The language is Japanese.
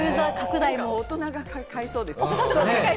これ、大人が買いそうですね。